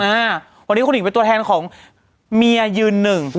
อ่าวันนี้คุณหญิงเป็นตัวแทนของเมียยืนหนึ่ง